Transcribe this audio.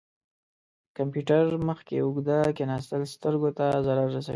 د کمپیوټر مخ کې اوږده کښیناستل سترګو ته ضرر رسوي.